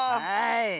はい。